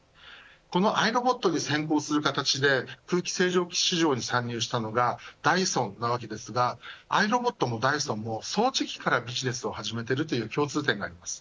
このアイロボットに先行する形で空気清浄機市場に参入したのがダイソンですがアイロボットもダイソンも掃除機からビジネスを始めているという共通点があります。